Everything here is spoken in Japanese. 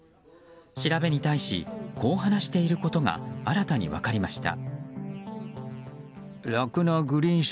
調べに対しこう話していることが新たに分かりました。